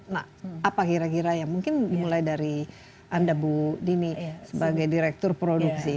nah apa kira kira ya mungkin mulai dari anda bu dini sebagai direktur produksi